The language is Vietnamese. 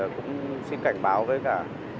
cũng xin cảnh báo với cả